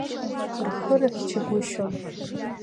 Рхы рыхьчагәышьон.